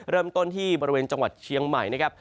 เริ่มต้นที่บริเวณจังหวัดเชียงใหม่นะครับ